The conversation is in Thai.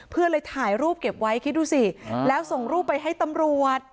เพื่อนเลยถ่ายรูปเก็บไว้คิดดูสิแล้วส่งรูปไปให้ตำรวจ